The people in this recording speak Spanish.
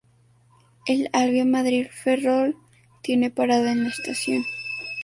El Alvia Madrid-Ferrol tiene parada en la estación.